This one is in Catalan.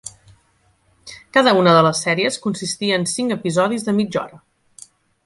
Cada una de les sèries consistia en cincs episodis de mitja hora.